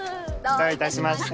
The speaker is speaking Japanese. どういたしまして。